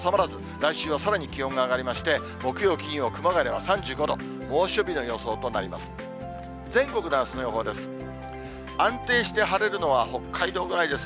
来週はさらに気温が上がりまして、木曜、金曜は熊谷で３５度、猛暑日の予想となります。